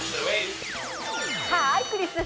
ハーイクリス。